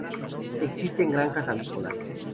Existen granjas avícolas.